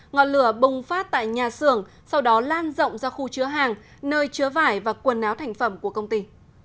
ngọn lửa bùng phát tại nhà xưởng sau đó lan rộng ra khu chứa hàng nơi chứa vải và quần áo thành phẩm của công ty